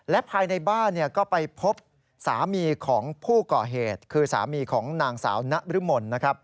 และภายในบ้านก็ไปพบสามีของผู้ก่อเหตุคือสามีของนางสาวนรมนนะครับ